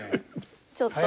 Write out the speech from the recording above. ちょっと。